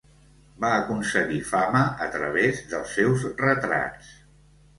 Va aconseguir fama a través dels seus retrats.